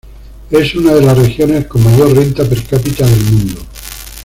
Es una de las regiones con mayor renta per cápita del mundo.